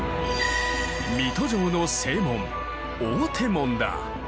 水戸城の正門大手門だ。